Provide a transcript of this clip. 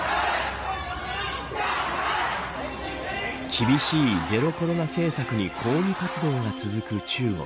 厳しいゼロコロナ政策に抗議活動が続く中国。